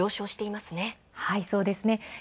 はい、そうですね。